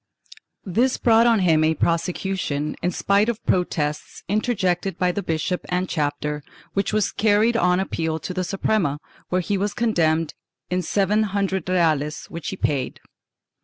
This brought on him a prosecution, in spite of protests interjected by the bishop and chapter, which was carried on appeal to the Suprema, where he was condemned in seven hundred reales which he paid.